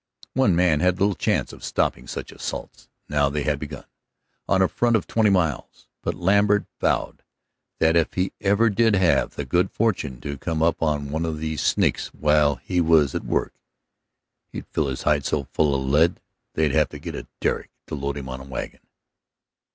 One man had little chance of stopping such assaults, now they had begun, on a front of twenty miles. But Lambert vowed that if he ever did have the good fortune to come up on one of these sneaks while he was at work, he'd fill his hide so full of lead they'd have to get a derrick to load him into a wagon.